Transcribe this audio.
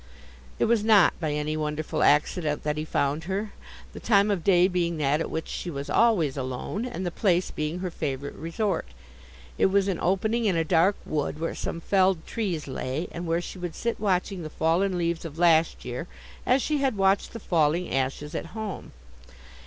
It was not by any wonderful accident that he found her, the time of day being that at which she was always alone, and the place being her favourite resort. It was an opening in a dark wood, where some felled trees lay, and where she would sit watching the fallen leaves of last year, as she had watched the falling ashes at home.